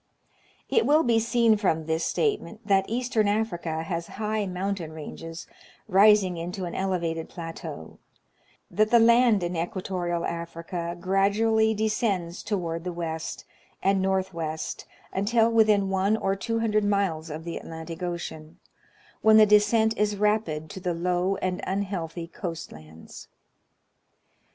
It will be seen from this statement that eastern Africa has high mountain ranges rising into an elevated plateau ; that the land in Equatorial Africa gradually descends toward the west and north west until within one or two hundred miles of the Atlantic Ocean, when the descent is rapid to the low and un healthy coast lands.